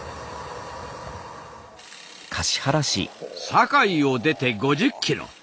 堺を出て５０ｋｍ。